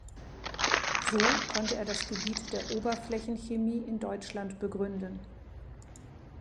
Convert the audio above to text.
So konnte er das Gebiet der Oberflächenchemie in Deutschland begründen.